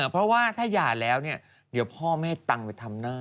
เพราะว่าถ้าหย่าแล้วเนี่ยเดี๋ยวพ่อไม่ให้ตังค์ไปทำหน้า